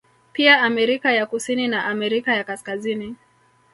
Pia Amerika ya kusini na Amerika ya Kaskazini